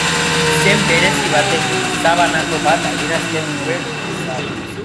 Izen berezi batek gizabanako bat adierazten duen bezala.